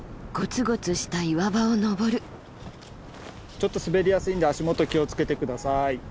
ちょっと滑りやすいんで足元気を付けて下さい。